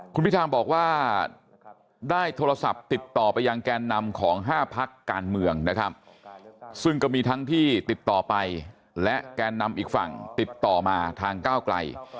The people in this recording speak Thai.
คุณพิธาบอกว่าได้โทรศัพท์ติดต่อไปยังแกนนำของ๕พักการเมืองนะครับซึ่งก็มีทั้งที่ติดต่อไปและแกนนำอีกฝั่งติดต่อมาทางก้าวไกล